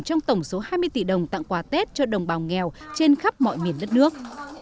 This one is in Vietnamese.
trong tổng số hai mươi tỷ đồng tặng quà tết cho đồng bào nghèo trên khắp mọi miền đất nước